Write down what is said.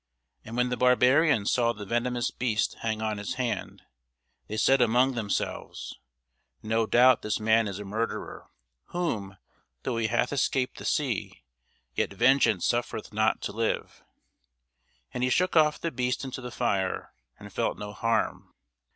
And when the barbarians saw the venomous beast hang on his hand, they said among themselves, No doubt this man is a murderer, whom, though he hath escaped the sea, yet vengeance suffereth not to live. And he shook off the beast into the fire, and felt no harm.